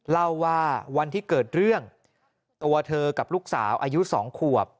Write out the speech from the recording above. เล่าว่าวันที่เกิดเรื่องตัวเธอกับลูกสาวอายุ๒ขวบ